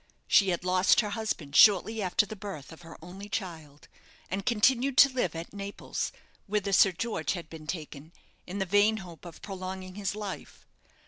She had lost her husband shortly after the birth of her only child, and continued to live at Naples, whither Sir George had been taken, in the vain hope of prolonging his life.